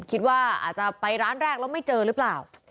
คิดว่าอาจจะไปร้านแรกแล้วไม่เจอหรือเปล่า